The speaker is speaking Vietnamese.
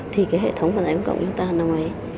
thì cái hệ thống vận tải công cộng chúng ta mới